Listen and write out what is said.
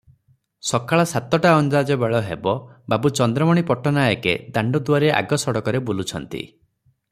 ସକାଳ ସାତଟା ଅନ୍ଦାଜ ବେଳ ହେବ, ବାବୁ ଚନ୍ଦ୍ରମଣି ପଟ୍ଟାନାୟକେ ଦାଣ୍ଡଦୁଆର ଆଗ ସଡ଼କରେ ବୁଲୁଛନ୍ତି ।